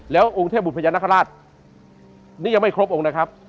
แล้วองค์เทพบุตรพญานาคาราชนี่ยังไม่ครบองค์นะครับ